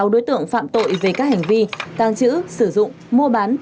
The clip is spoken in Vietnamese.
một trăm một mươi sáu đối tượng phạm tội về các hành vi tàng trữ sử dụng mua bán